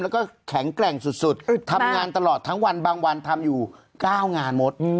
แล้วก็แข็งแกร่งสุดทำงานตลอดทั้งวันบางวันทำอยู่๙งานมด